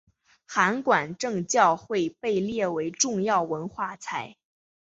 函馆正教会被列为重要文化财。